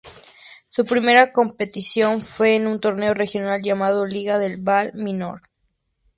Su primera competición fue un torneo regional llamado "Liga del Val Miñor".